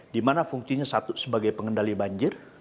dimana fungsinya satu sebagai pengendali banjir